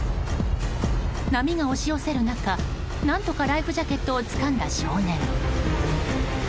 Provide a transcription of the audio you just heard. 波が押し寄せる中何とかライフジャケットをつかんだ少年。